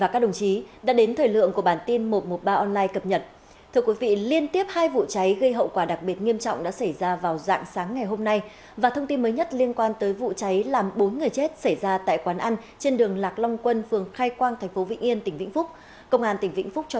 các bạn hãy đăng ký kênh để ủng hộ kênh của chúng mình nhé